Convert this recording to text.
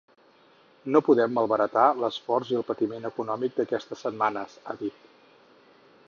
No podem malbaratar l’esforç i el patiment econòmic d’aquestes setmanes, ha dit.